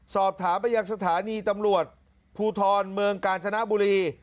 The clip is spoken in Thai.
สอบถามไปยังสถานีตำรวจภูทรเมืองกาญจนบุรี